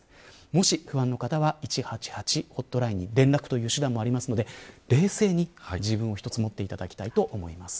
もし、不安な方は１８８、ホットラインに連絡という手段もありますので冷静に自分を持っていただきたいと思います。